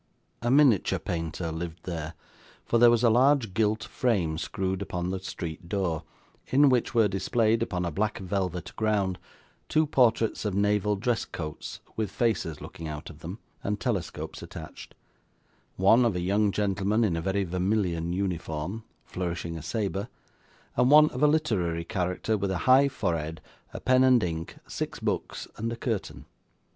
A miniature painter lived there, for there was a large gilt frame screwed upon the street door, in which were displayed, upon a black velvet ground, two portraits of naval dress coats with faces looking out of them, and telescopes attached; one of a young gentleman in a very vermilion uniform, flourishing a sabre; and one of a literary character with a high forehead, a pen and ink, six books, and a curtain.